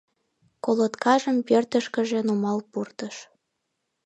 Колоткажым пӧртышкыжӧ нумал пуртыш.